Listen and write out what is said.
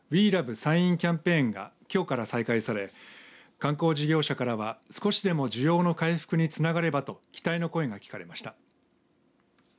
山陰キャンペーンがきょうから再開され観光事業者からは少しでも需要の回復につながればと期待の声が聞かれました。